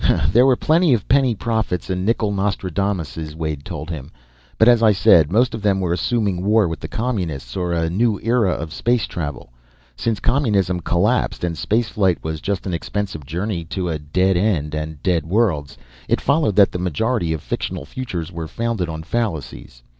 "There were plenty of penny prophets and nickel Nostradamuses," Wade told him. "But as I said, most of them were assuming war with the Communists or a new era of space travel. Since Communism collapsed and space flight was just an expensive journey to a dead end and dead worlds, it follows that the majority of fictional futures were founded on fallacies.